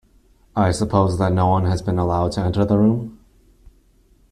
I suppose that no one has been allowed to enter the room?